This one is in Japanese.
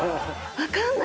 分かんない。